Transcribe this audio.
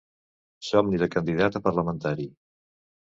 Somni de candidat a parlamentari.